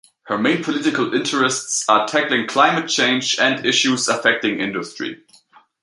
Her main political interests are tackling climate change and issues affecting industry.